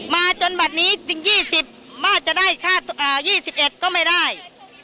มาจนบัดนี้๒๐มาจะได้ค่า๒๑ก็ไม่ได้